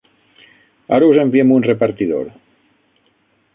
Ara us enviem un repartidor.